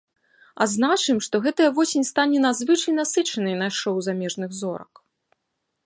Адзначым, што гэтая восень стане надзвычай насычанай на шоў замежных зорак.